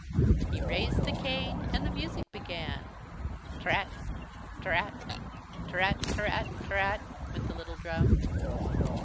He raised the cane and the music began! Trrat trrat trrat trrat trrat! went the little drums.